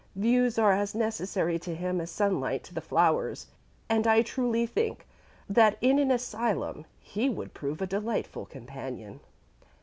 Views are as necessary to him as sunlight to the flowers; and I truly think that in an asylum he would prove a delightful companion."